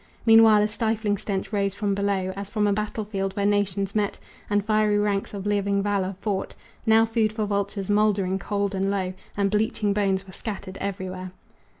Meanwhile a stifling stench rose from below As from a battle field where nations met And fiery ranks of living valor fought, Now food for vultures, moldering cold and low And bleaching bones were scattered everywhere.